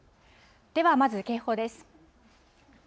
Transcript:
ではまず、警報です。